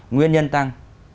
nguyên nhân tăng